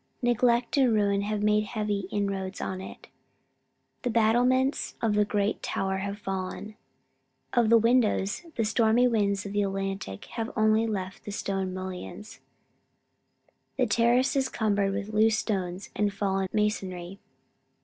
Neglect and ruin have made heavy inroads on it. The battlements of the great tower have fallen. Of the windows, the stormy winds of the Atlantic have left only the stone mullions. The terrace is cumbered with loose stones and fallen masonry.